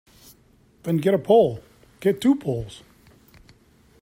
Then get a pole; get two poles.